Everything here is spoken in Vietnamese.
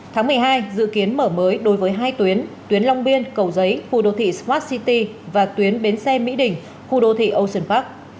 tháng một mươi hai dự kiến mở mới đối với hai tuyến tuyến long biên cầu giấy khu đô thị smart city và tuyến bến xe mỹ đình khu đô thị ocean park